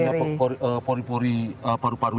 satu satunya pori pori paru paru